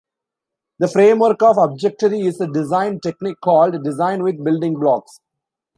The framework of objectory is a design technique called design with building blocks.